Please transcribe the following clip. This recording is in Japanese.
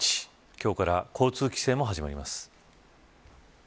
今日から交通規制も始まります。